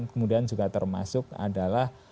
kemudian juga termasuk adalah